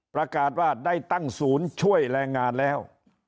ประกาศว่าได้ตั้งศูนย์ช่วยแรงงานแล้ว